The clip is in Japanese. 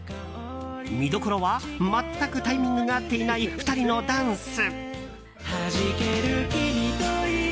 見どころは全くタイミングが合っていない２人のダンス。